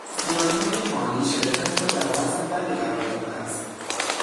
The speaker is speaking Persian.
زیانهای مالی شرکت را در وضع بدی قرار داده است.